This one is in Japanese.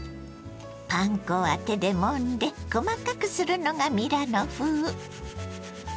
パン粉は手でもんで細かくするのがミラノ風。